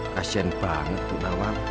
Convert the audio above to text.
kasian banget bunda wang